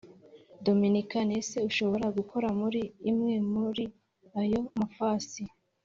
Dominikani Ese ushobora gukora muri imwe muri ayo mafasi